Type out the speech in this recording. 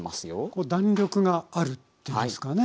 こう弾力があるっていうんですかね。